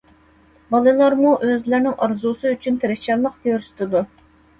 بالىلارمۇ ئۆزلىرىنىڭ ئارزۇسى ئۈچۈن تىرىشچانلىق كۆرسىتىدۇ.